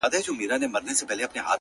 نه لحاظ کړي د قاضیانو کوټوالانو!.